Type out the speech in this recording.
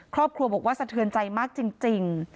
ครอบครัวบอกว่าสะเทือนใจมากจริง